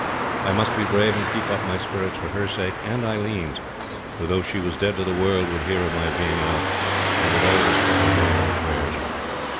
I must be brave and keep up my spirits for her sake and Aileen's, who, though she was dead to the world, would hear of my being out, and would always put my name in her prayers.